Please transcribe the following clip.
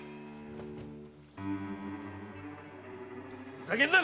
ふざけんな！